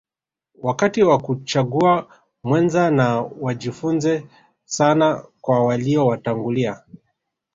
wakati wa kuchagua mwenza na wajifunze sana kwa walio watangulia